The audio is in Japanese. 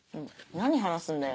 何話すんだよ。